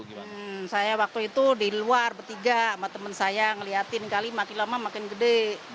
cuma saya waktu itu di luar bertiga sama teman saya ngeliatin kali makin lama makin gede